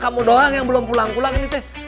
kamu doang yang belum pulang pulang ini teh